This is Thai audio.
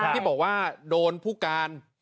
ที่บอกว่าโดนผู้การ